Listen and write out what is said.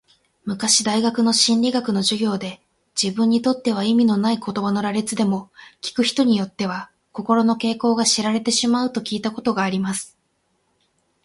昔大学の心理学の授業で、自分にとっては意味のない言葉の羅列でも、聞く人によっては、心の傾向が知られてしまうと聞いたことがあります。